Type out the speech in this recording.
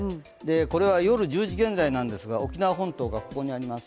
これは夜１０時現在なんですが、沖縄本島がここにあります。